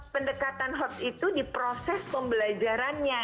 pendekatan hoax itu di proses pembelajarannya